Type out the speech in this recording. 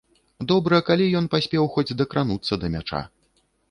Добра калі ён паспеў хоць дакрануцца да мяча.